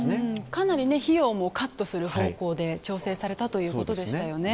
かなり費用もカットする方向で調整されたということでしたよね。